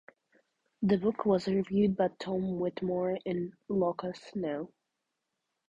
The book was reviewed by Tom Whitmore in "Locus" no.